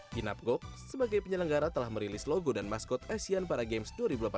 kinabgok sebagai penyelenggara telah merilis logo dan maskot asian para games dua ribu delapan belas